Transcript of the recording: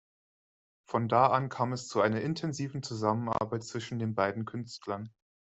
Von da an kam es zu einer intensiven Zusammenarbeit zwischen den beiden Künstlern.